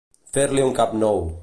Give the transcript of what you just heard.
Fer-li un cap nou.